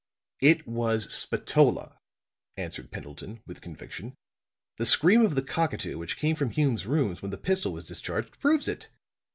"It was Spatola," answered Pendleton, with conviction. "The scream of the cockatoo which came from Hume's rooms when the pistol was discharged proves it.